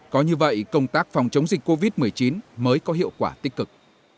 có như vậy công tác phòng chống dịch covid một mươi chín mới có hiệu quả tích cực